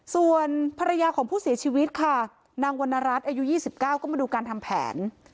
ส่วนภรรยาของผู้เสียชีวิตค่ะนางวรรณรัฐอายุ๒๙ก็มาดูการทำแผน